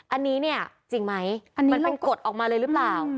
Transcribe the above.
อันนี้เนี่ยจริงไหมอันนี้มันเป็นกฎออกมาเลยหรือเปล่า